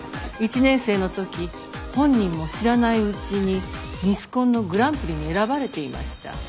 １年生の時本人も知らないうちにミスコンのグランプリに選ばれていました。